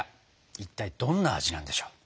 いったいどんな味なんでしょう。